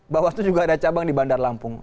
bawaslu juga ada cabang di bandar lampung